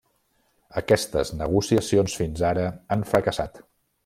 Aquestes negociacions fins ara han fracassat.